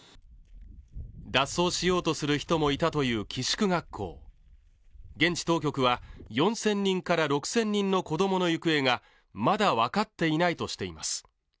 脱走しようとする人もいたという寄宿学校現地当局は４０００人から６０００人の子どもの行方がまだわかっていないとしています